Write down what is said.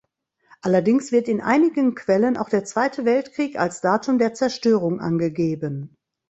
Allerdings wird in einigen Quellen auch der Zweite Weltkrieg als Datum der Zerstörung angegeben.